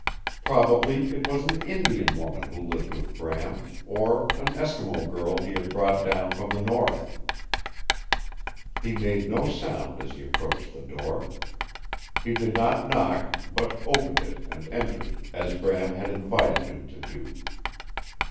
Probably it was an Indian woman who lived with Bram, or an Eskimo girl he had brought down from the north. He made no sound as he approached the door. He did not knock, but opened it and entered, as Bram had invited him to do.